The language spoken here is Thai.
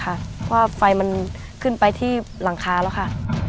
เพราะว่าไฟมันขึ้นไปที่หลังคาแล้วค่ะ